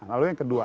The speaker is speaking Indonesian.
lalu yang kedua